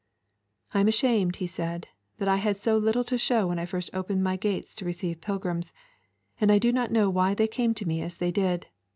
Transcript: I am ashamed, he said, that I had so little to show when I first opened my gates to receive pilgrims, and I do not know why they came to me as they did.